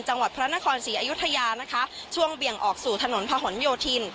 จังหวัดพระนครศรีอยุธยานะคะช่วงเบี่ยงออกสู่ถนนพะหนโยธิน